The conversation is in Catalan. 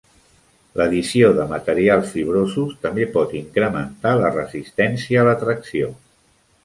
L'addició de materials fibrosos també pot incrementar la resistència a la tracció.